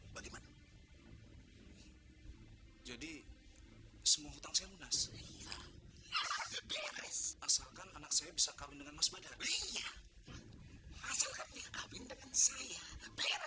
bagaimana jadi semua utang selunas asalkan anak saya bisa kagum dengan mas badar